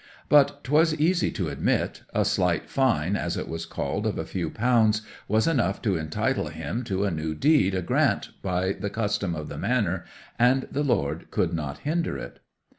But 'twas easy to admit—a slight "fine," as 'twas called, of a few pounds, was enough to entitle him to a new deed o' grant by the custom of the manor; and the lord could not hinder it.